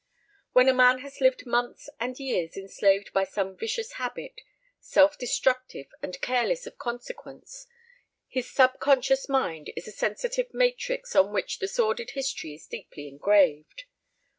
When a man has lived months and years enslaved by some vicious habit self destructive and careless of consequences his sub conscious mind is a sensitive matrix on which the sordid history is deeply engraved.